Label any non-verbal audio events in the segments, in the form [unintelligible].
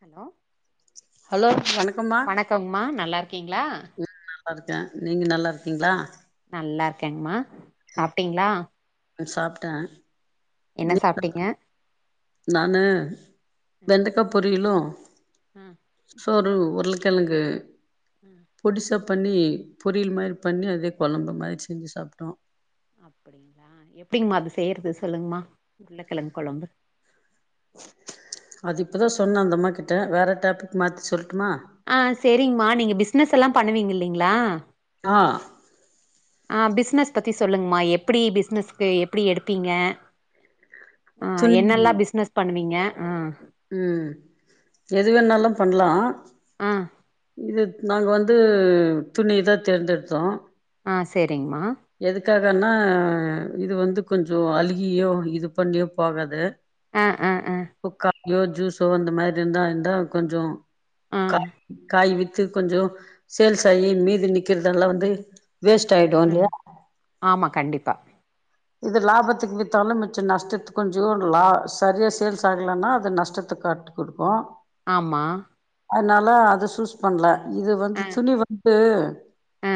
Hello hello வணக்கம்மா க்கங்கமா நல்லாருக்கீங்களா உம் நல்லா இருக்கே நீங்க நல்லா இருக்கீங்களா நல்லா இருக்கேங்கமா சாப்ட்டீங்களா சாப்ட்ட என்ன நீங்க சாப்ட்டீங்க [unintelligible] நானு வெண்டக்கா பொரியலு ஆ சோறு உருளக்கிழங்கு உம் பொடிசா பண்ணி பொரியல் மாரி பண்ணி அதே குழம்பு மாரி செஞ்சு சாப்ட்டோ அப்டிங்களா எப்டிங்கமா அது செய்றது சொல்லுங்கமா உருக்கிழங்கு குழம்பு அது இப்பதா சொன்ன அந்தம்மா கிட்ட வேற டாபிக் மாத்தி சொல்லட்டுமா ஆ சரிங்கம்மா நீங்க பிசினஸ் எல்லாம் பண்ணுவீங்க இல்லைங்களா ஆ [unintelligible] ஆ பிஸ்னஸ் பத்தி சொல்லுங்கமா எப்படி பிஸ்னஸ்க்கு எப்படி எடுப்பீங்க ஆ துணி என்னல்லா பிஸ்னஸ் பண்ணுவீங்க ஆ ம் எது வேணாலு பண்ணலா ஆ இது நாங்க வந்து துணி தா தேர்ந்தெடுத்தோ ஆ சரிங்கமா எதுக்காகன்னா இது வந்து கொஞ்ச அழுகியோ இது பண்ணியோ போகாது ஆ ஆ அ உப்பு க்காயோ ஜூஸோ அந்த மாதிரி இருந்தா இருந்தா கொஞ்சம் ஆ கா காய் வி கொஞ்ஜோ சேல்ஸ் ஆகி மீதி நிக்கறதெல்லா வந்து வேஸ்ட் ஆயிடும் ஆ இல்லயா ஆமா கண்டிப்பா இது லாபத்துக்கு வித்தாலும் மிச்சம் நஷ்டத்து கொஞ்சம் லா சரியாக சேல்ஸ் ஆகலன்னா அது நஷ்டத்துக்கு காட்டு கொடுப்போ ஆமா அதனால அத சூஸ் பண்ணல இது வந்து ஆ துணி வந்து ஆ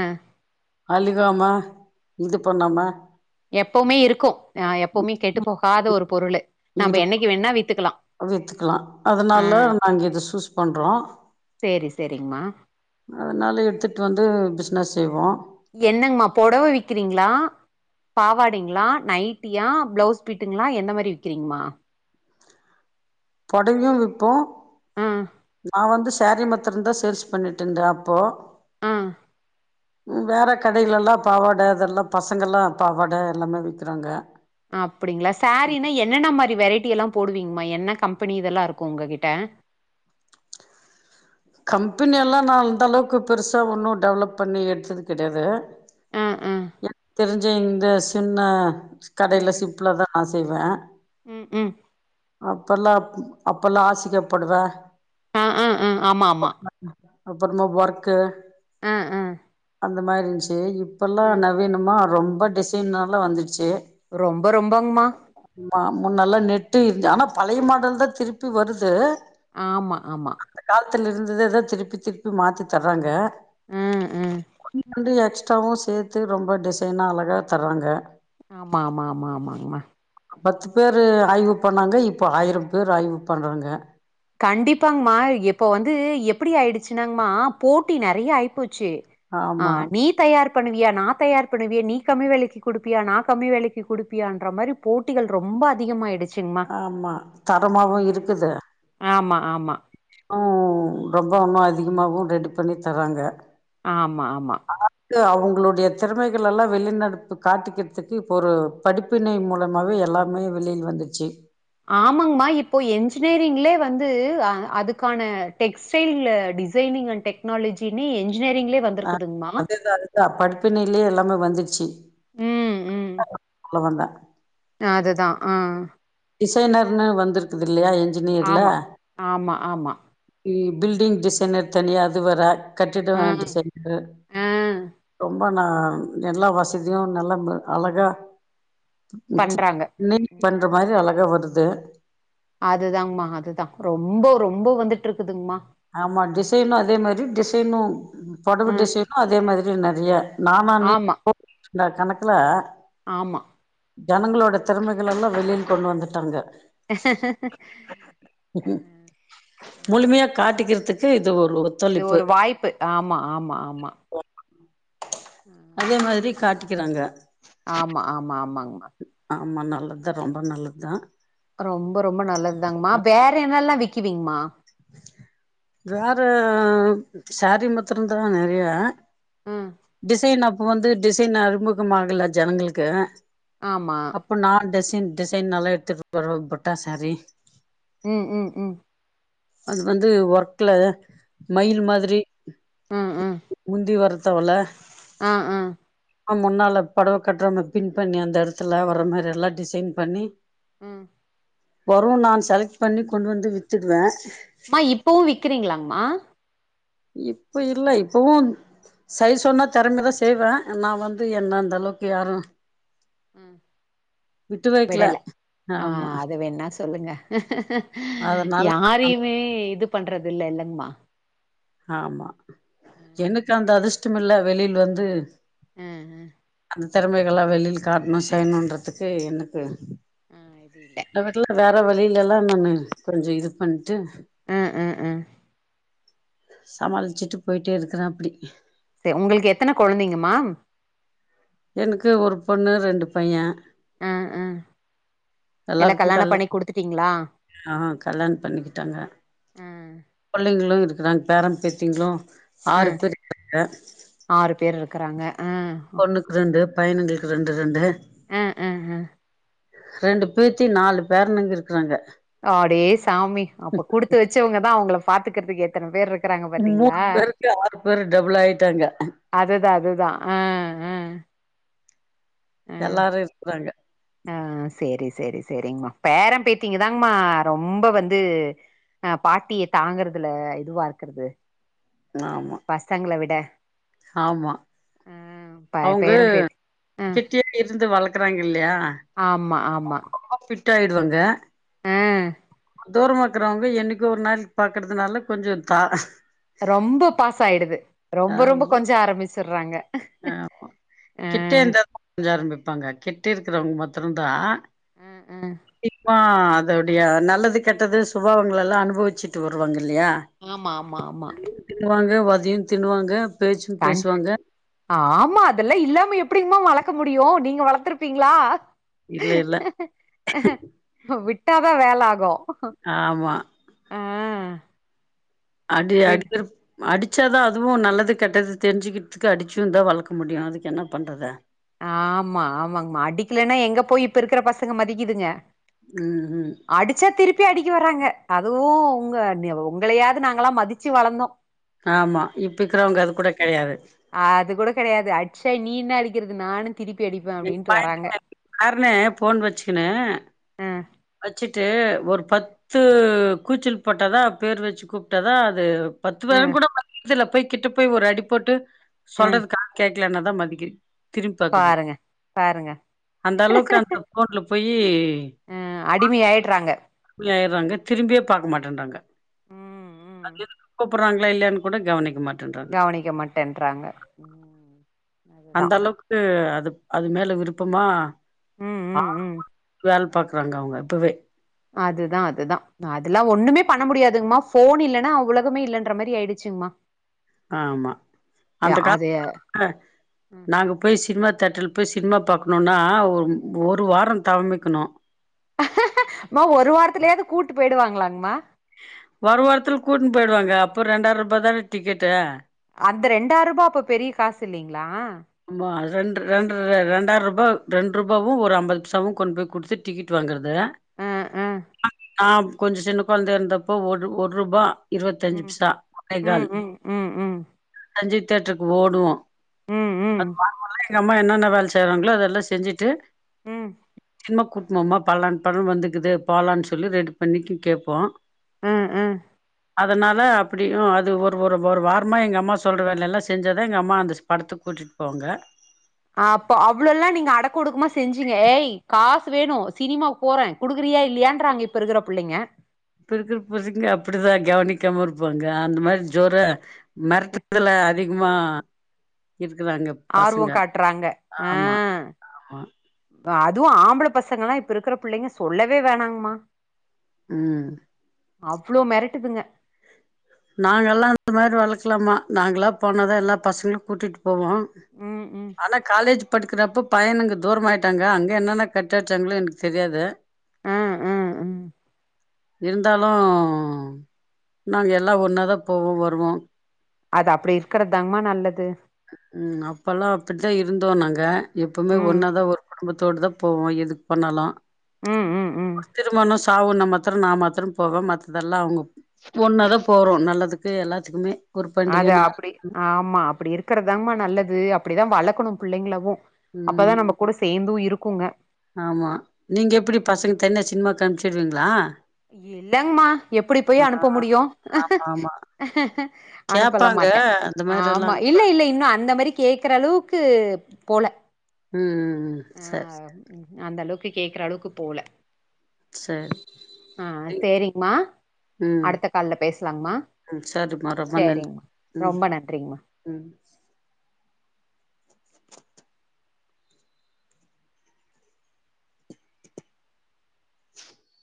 அழுகாமா இது பண்ணாமா எப்பவுமே இருக்கும் எப்பவுமே கெட்டு போகாத ஒரு பொருள் நம்ம இருக்கு என்னைக்கு வேணுணா வித்துக்கலா வித்துக்கலா ஆ அதனால நாங்க இத சூஸ் பண்றோம் சேரி சேரிங்மா அதனால எடுத்துடு வந்து பிஸ்னஸ் செய்வோ என்னங்கமா புடவ விக்கிறீங்களா பாவாடைங்களா நைட்டியா ப்ளவுஸ் பீட்டுங்களா எந்த மாரி விக்கிறீங்கம்மா பொடவையு விப்போ ஆ நா வந்து சேரீ மாத் தந்ரோ சேல்ஸ் பண்ணிட்ருந்தே அப்போ அ வேற கடைலல்லா பாவாட அதெல்லா பசங்கள்லா பாவாட எல்லாமே விக்கிறாங்க அப்படிங்களா சேரீனா என்னென்ன மாரி வெரைட்டி எல்லா போடுவீங்மா என்ன கம்பெனி இதெல்லா இருக்கு உங்க கிட்ட கம்பெனியெல்லா நா அந்தளவுக்கு பெருசாக ஒன்னு டெவலப் பண்ணி எடுத்தது கெடையாது ஆ ஆ எனக்கு தெரிஞ்ச இந்த சின்ன கடைல ம் சிப்லா தா நா செய்வே ம் ம் ம் அப்பல்லா அப்பல்லா ஹாசிக பொடவ அ அ [inaudible] அப்பறமா ஒர்க்கு அ அ அந்த மாரி இருந்துச்சு இப்பல்லா நவீனமா ரொம்ப டிசைன்னால வந்துடுச்சு ரொம்ப ரொம்பங்ம்மா ஆமா முன்னல்லா நெட்டு இருந்து ஆனா பழைய மாடல் தா திருப்பி வருது ஆமா ஆமா அந்த காலத்துல இருந்ததே தா திருப்பி திருப்பி மாத்தி தர்றாங்க [inaudible] ஆ ஆ [unintelligible] எக்ஸ்ராவு சேத்து ரொம்ப டிசைனா அழகாக தர்றாங்க ஆமா ஆமா ஆமா ஆமாங்ம்மா பத்து பேரு ஆய்வு பண்ணாங்க இப்போ ஆயிரம் பேரு ஆய்வு பண்றாங்க கண்டிப்பாங்ம்மா இப்ப வந்து எப்டி ஆயிடுச்சுனாங்ம்மா போட்டி நெறைய ஆயிப்போச்சு ஆ ஆமா நீ தயார் பண்ணுவியா நா தயார் பண்ணுவியே நீ கம்மி வெலைக்கு குடுப்பியா நா கம்மி வெலைக்கு குடுப்பியான்ற மாரி போட்டிகள் ரொம்ப அதிகமாயிடுச் ஆமா தரமாவு இருக்குது ஆமா, ஆமா ம் ரொம்போ உன்னு அதிகமாகவு ரெடி பண்ணி தராங்க ஆமா ஆமா [inaudible] அவுங்களுடைய திறமைகள் எல்லா வெளிநடப்பு காட்டிக்கிறதுக்கு இப்பொரு படிப்பினை மூலமாவே எல்லாமே வெளில வந்துச்சு ஆமாங்கமா இப்போ என்ஜினியரிங்லே வந்து ஆ அதுக்கான டெக் ஸ்டைல் டிசைனிங் அன் டெக்னாலஜினே என்ஜினியரிங்லே வந்துருக்குதுங்மா அதா படிப்பினிலே எல்லாமே வந்துர்ச்சி ம் ம் [unintelligible] தா அதுதா ஆ டிசைனர்னு வந்துருக்குது இல்லையா இன்ஜினியர்ல ஆமா. ஆமா, ஆமா. இ பில்டிங் டிசைனர் தனியா அது வேற கட்டிட ஆ, டிசைன் இது ஆ. ரொம்ப நா எல்லா வசதியு நல்லா அழகா பண்றாங்க நீட் பண்ற ம் மாரி அழகா வருது அதுதாங்மா அதுதா ரொம்போ ரொம்போ வந்துட்ருக்குதுங்மா ஆமா டிசைனு அதே மாரி டிசைனு பொடவ அ டிசைனு அதே மாரி நெறைய நானா நீ ஆமா போ [inaudible] கணக்குல ஆமா ஜனங்களோட திறமைகளல்லாம் வெளில கொண்டு வந்துட்டாங்க முழுமையா காட்டிக்கிறதுக்கு இது ஒரு ஒத் இது ஒரு வாய்ப்பு ஆமா ஆமா ஆமா ம் அதே மாதுரி காட்டிக்கிறாங்க ஆமா ஆமா ஆமாங்மா ஆமா நல்லது தா ரொம்ப நல்லது தா ரொம்போ ரொம்ப நல்லதுதாங்ம்மா வேற என்னல்லா விக்குவிங்மா வேற சேரீ மாத்திரம் தான் நெறைய ம் டிசைன் அப்போ வந்து டிசைன் அறிமுகமாகல ஜனங்களுக்கு ஆமா அப்போ நார் டிசைன் டிசைன் நல்லா எடுத்துட்டு வர புட்டா சாரி ம் ம் ம் அது வந்து ஒர்க்ல மயில் மாதிரி ம் ம் முந்தி வரத்தவ்ள ஆ ஆன் ஆம் முன்னால பொடவ கட்ற பின் பண்ணி அந்த எடத்துல வர மாரில்லா டிசைன் பண்ணி ம் வரூன் நான் செலக்ட் பண்ணி கொண்ட் வந்து வித்துடுவே மா இப்பவு விக்கிறீங்ளாங்மா இப்ப இல்ல இப்பவும் சைஸ் சொன்னா தெறமயாதா செய்வேன் நா வந்து என்ன அந்த அளவுக்கு யாரும் விட்டு வைக்ல விடல ஆ ஆமா அது வேணா சொல்லுங்க அதனால யாரையுமே இது பண்றது இல்ல இல்லங்மா ஆமா ம் எனக்கு அந்த அதிர்ஷ்டமில்ல வெளில வந்து ம் அந்த தெறமைகள்லா வெளில காட்ணும் செய்னுன்றதுக்கு எனக்கு ம் இது இல்ல அதுகுல்லா வேற வழில எல்லா நானு கொஞ்ச இது பண்டு ம் ம் ம் சமாளிசிட்டு போயிட்டே இருக்றேன் அப்டி தே உங்ளுக்கு எத்தன கெழந்தைங்கமா எனுக்கு ஒரு பொண்ணு ரெண்டு பையன் ஆ ஆ எல்லா எல்லாருக்கு கல்யாண கல் பண்ணி குடுத்துட்டீங்களா ஆ கல்யாணம் பண்ணி கிட்டாங்க ஆ புள்ளைங்களும் இருக்கிறாங் பேரம் பேத்திங்களும் ஆ ஆறு பேரு இருக்காங்க ஆறு பேர் இருக்றாங்க ம் பெணுக்கு ரெண்டு பையன்ங்களுக்கு ரெண்டு ரெண்டு ம் ம் ம் ரெண்டு பேத்தி நாலு பேரனுங்க இருக்கிறாங்க அடே சாமி அப்ப குடுத்து வச்சவங்க தா அவங்கள பாத்துக்கறதுக்கு எத்தன பேர் இருக் மூணு பேருக்கு ஆறு பேரு டபுள் ஆய்டாங்க அதுதா அதுதா ம் எல்லாரு இருக்குறாங்க அ சேரி சேரி சேரிங்கமா பேர பேத்திங்க தாங்மா ரொம்ப வந்து ஆ பாட்டிய தாங்குறதுல இதுவாருக்கறது ஆ ஆமா பசங்ள விட ஆமா ஆ ப அவுங்க பேரம் பேத்தி ஆ கிட்டயே இருந்து வளக்குறாங்க இல்லியா ஆமா ஆமா ரொம்ப ஃபிட் ஆய்டுவாங்க ஆ தூரமா இருக்கறவங்க என்னிக்கோ ஒரு நாள் பாக்கறதுனால கொஞ்ச தா ரொம்ப பாசோ ஆய்டுது ரொம்ப ரொம்ப ஆமா கொஞ்ச ஆரம்பிச்சிறாங்க ஆமா கிட்டே இந்தாத கொஞ்ச ஆரம்பிப்பாங்க கிட்டே இருக்றவங்க மாத்ரந்தா அ அ ஆ அதோடய நல்லது கெட்டது சுபாவங்கள எல்லா அனுபவிச்சிட்டு வருவாங்க இல்லியா ஆமா ஆமா ஆமா தின்னுவாங்க வதையு தின்னுவாங்க பேச்சு கண் பேசுவாங்க ஆமா அதெல்லா இல்லாம எப்டிங்மா வளக்க முடியு நீங்க வளத்துருப்பிங்ளா இல்ல இல்ல விட்டாதா வேல ஆகு ஆமா ஆ அடி விட் அடிக்ற அடிச்சாதா அதுவு நல்லது கெட்டது தெரிஞ்சுக்கிறதுக் அடிச்சும்தா வளக்க முடியு அதுக்கு என்ன பண்றது ஆமா ஆமாங்கமா அடிக்கிலனா எங்க போய் இப்ப இருக்கிற பசங்க மதிகிதுங்க ம் ம் அடிச்சா திருப்பி அடிக்க வராங்க அதுவு உங்க உங்களயாது நாங்கலா மதிச்சு வளந்தோ ஆமா இப்பிக்கிறவங்க அது கூட கெடையாது அது கூட கெடையாது அட்சா நீ என்னா அடிக்கறது நானு திருப்பி அடிப்பே எங்க அப்டின்ட்டு பைய வராங்க [inaudible] பேர்னே ஃபோன் வச்சுக்குனு அ வச்சுட்டு ஒரு பத்து கூச்சல் போட்டதா பேர் வச்சு கூப்ட்டதா அது பத்து அ பேரு கூட [inaudible] துல போய் கிட்ட போய் ஒரு அடி போட்டு அ சொல்றதுக்காக கே க்லனாதா மதிக் திரும்பி பாக்குது பாருங்க பாருங்க அந்த அளவுக்கு அந்த ஃபோன்ல போயி அ அடிமை ஆயிட்றாங்க ஆயிட்றாங்க திரும்பியே பாக்க மாட்டன்றாங்க ம் ம் கூப்புட்றாங்களா இல்லயான்னு கூட கவனிக்க மாட் கவனிக்க மாட்டேன்றாங்க ம் அதுதா அந்த அளவுக்கு அது அது மேல விருப்பமா ம் ம் ம் பாக்குறாங்க அவங்க இப்பவே அதுதா அதுதா அதெல்லா ஒண்ணுமே பண்ண முடியாதுங்கமா ஃபோன் இல்லன்னா உலகமே இல்லைன்ற மாரி ஆயிடுச்சுங்ம்மா ஆமா அந்த அது காலத்துல நாங்க போய் சினிமா தேட்ரில போய் சினிமா பாக்கணுன்னா ஒரு ஒரு வார தவம் இருக்கணு ம்மா ஒரு வாரத்துலயாவது கூட்டு போயிடுவாங்களாங்மா ஒரு வாரத்துல கூட்னு போயிடுவாங்க அப்போ ரெண்டாயிர ரூபாதான டிக்கெட்டு அந்த ரெண்டாயிர ரூபா அப்ப பெரிய காசு இல்லைங்களா ஆ ரெண்டு ரெண்டு ரெண்டாயிர ரூபா ரெண்டு ரூபாவும் ஒரு அம்பது பைசாவு கொண்டு போய் குடுத்துட்டு டிக்கெட் வாங்குறது அ அ நா கொஞ்ச சின்ன குழந்தை இருந்தப்போ ஒரு ஒரு ரூபா இருபத்தஞ்சு ம் பைசா ம் மேகால் ம் ம் ம் ரன்ஜி தேட்டருக்கு ஓடுவோ ம் அது ம் வாங்கலா எங்க அம்மா என்னென்ன வேல செய்யறாங்களோ அதெல்லா செஞ்சிட்டு ம் சினிமா கூட்டும்மா பலான் பழம் வந்துக்குது போலான்னு சொல்லி ரெண்டு மணிக்கு கேட்போ ம் ம் அதனால அப்டியு அது ஒரு ஒரு ஒரு வாரமா எங்க அம்மா சொல்ற வேலையெல்லா செஞ்ச தா எங்க அம்மா அந்த படத்துக்கு கூட்டிட்டு போவாங்க அப்போ அவ்வள எல்லா நீங்க அடக்க ஒடுக்குமா செஞ்சீங்க ஏய் காசு வேணு சினிமாக்கு போற குடுக்குறியா இல்லையாறாங்க இப்போ இருகிற பிள்ளைங்க இப்ப இருக்கிற பசங்க அப்டிதா கவனிக்காம இருப்பாங்க அந்த மாதிரி ஜோர மெரட்றதுல அதிகமா இருக்குறாங்க ஆர்வ பசங்க காட்றாங்க அ ஆமா ஆமா அதுவு ஆம்பள பசங்கல்லா இப்ப இருக்கிற பிள்ளைங்க சொல்லவே வேணாங்கமா ம் அவ்ளோ மெரட்டுதுங்க நாங்கல்லா இந்த மாதிரி வளக்கலாமா நாங்களா போனதா எல்லா பசங்களு கூட்டிட்டு போவோ ம் ம் ஆனா காலேஜ் படிக்கிறப்ப பையனுங்க தூரமாயிட்டாங்க அங்க என்னென்ன கட்டடிச்சாங்கனு எனக்கு தெரியாது ஆ ஆ இருந்தாலு நாங்க எல்லா ஒன்னாதா போவோ வருவோ அது அப்டி இருக்கற தாங்கமா நல்லது ம் அப்பல்லா அப்டித்தா இருந்தோ நாங்க எப்பவுமே ம் ஒன்னாதா ஒரு படம் கும்பத்தோட தா போவோ எதுக்கு போணாலு ம் ம் ம் ஒரு திருமண சாவுன்ன மாத்திர நா மாத்திர போவே மத்ததெல்லா அவங்க ஒன்னதா போறோ நல்லதுக்கு எல்லாத்துக்குமே ஒரு அத பண்டிகை நாள் அப்டி ஆமா அப்டி இருக்கறதாங்கமா நல்லது அப்டிதா வளக்கணு பிள்ளைங்களாவு ஆமா அப்பதா நம்ம கூட சேர்ந்து இருக்குங்க ஆமா நீங்க எப்டி பசங்க தனியா சினிமாக்கு அனுப்ச்சுடுவீங்களா இல்லங்மா எப்டி போய் அனுப்ப முடியு ஆமா ஆமா அனுப்பலா கேப்பாங்க மாட்டே அந்த மாரி எல்லா ஆமா அனுப்ப இல்ல இல்ல இன்னு அந்த மாறி கேக்கற அளவுக்கு போல உம் உம் உம் ஆ சேர் அந்த அளவுக்கு கேக்குற அளவுக்கு போல சேரி ஆ சேரிங்மா அடுத்த கால்ல பேசலாங்மா ம் சரிம்மா சேரிங்மா ரொம்ப நன்றிங்மா உம்